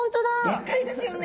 でっかいですよね。